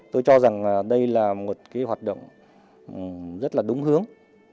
tôi cho rằng đây là một hoạt động rất đúng hướng